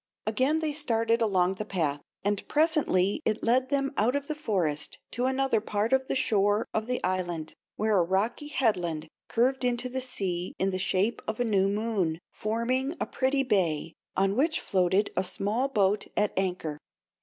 Again they started along the path, and presently it led them out of the forest to another part of the shore of the island, where a rocky headland curved into the sea in the shape of a new moon, forming a pretty bay, on which floated a small boat at anchor.